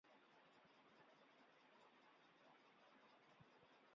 排湾语只有代词本身会依格位之不同而进行变格运作。